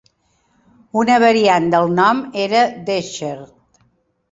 Una variant del nom era "Decherd".